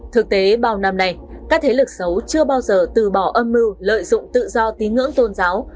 thực tế bao năm nay các thế lực xấu chưa bao giờ từ bỏ âm mưu lợi dụng tự do tín ngưỡng tôn giáo